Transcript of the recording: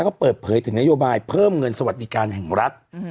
ก็เปิดเผยถึงนโยบายเพิ่มเงินสวัสดิการแห่งรัฐ